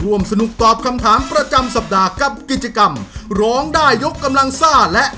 ร่วมสนุกตอบคำถามประจำสัปดาห์กับกิจกรรมร้องได้ยกกำลังซ่าและ